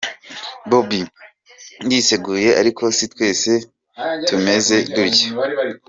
“Bobi, ndiseguye ariko si twese tumeze dutyo.